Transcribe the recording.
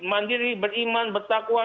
mandiri beriman bertakwa